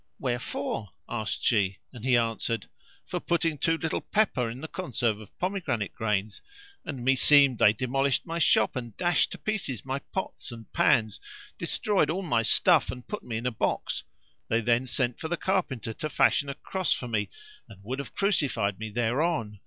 "Wherefore?" asked she; and he answered, "For putting too little pepper in the conserve of pomegranate grains, and meseemed they demolished my shop and dashed to pieces my pots and pans, destroyed all my stuff and put me in a box; they then sent for the carpenter to fashion a cross for me and would have crucified me thereon.